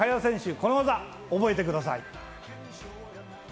この技を覚えてください。